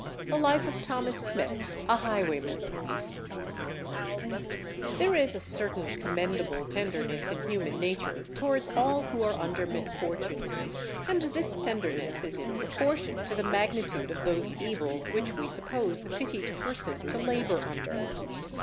The Life of THOMAS SMITH, a Highwayman There is a certain commendable tenderness in human nature towards all who are under misfortunes, and this tenderness is in proportion to the magnitude of those evils which we suppose the pitied person to labour under.